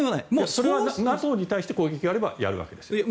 それはＮＡＴＯに対して攻撃があればやるわけです。